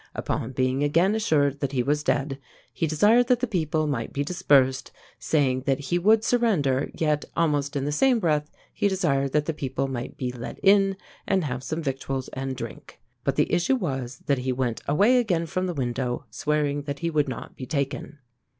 Upon being again assured that he was dead, he desired that the people might be dispersed, saying that he would surrender; yet, almost in the same breath, he desired that the people might be let in, and have some victuals and drink; but the issue was that he went away again from the window, swearing that he would not be taken.